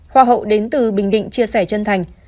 hoa hậu đến từ bình định chia sẻ chân thành